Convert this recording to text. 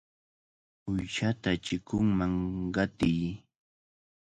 ¡Uyshata chikunman qatiy!